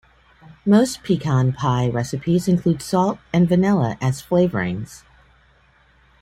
Most pecan pie recipes include salt and vanilla as flavorings.